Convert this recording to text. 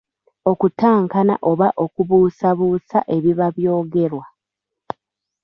Okutankana oba okubuusabuusa ebiba by'ogerwa.